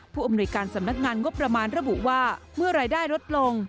ผู้อำนวยการสำนักงานงบประมาณระบุว่าเมื่อรายได้ลดลง